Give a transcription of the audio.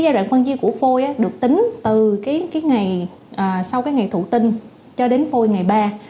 giai đoạn phân di của phôi được tính từ ngày sau ngày thủ tinh cho đến phôi ngày ba